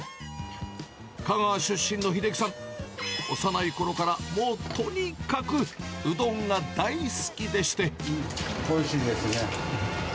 香川出身の英樹さん、幼いころから、もうとにかくうどんが大好きうん、おいしいですね。